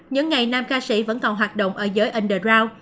những ngày nam ca sĩ vẫn còn hoạt động ở giới underground